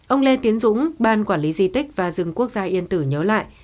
ông lê tiến dũng ban quản lý di tích và rừng quốc gia yên tử nhớ lại